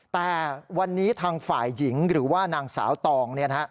แต่วันนี้ทางฝ่ายหญิงหรือว่านางสาวตอง